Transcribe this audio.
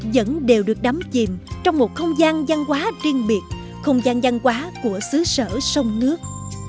vẫn đều được đắm chìm trong một không gian văn hóa riêng biệt không gian văn hóa của xứ sở sông nước